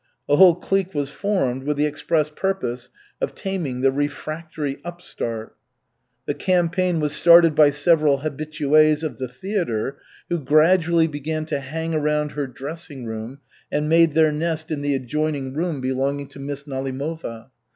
A whole clique was formed with the express purpose of taming the refractory upstart. The campaign was started by several habitués of the theatre who gradually began to hang around her dressing room and made their nest in the adjoining room belonging to Miss Nalimova.